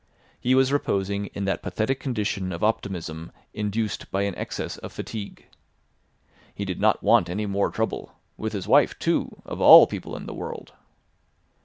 He was reposing in that pathetic condition of optimism induced by excess of fatigue. He did not want any more trouble—with his wife too—of all people in the world.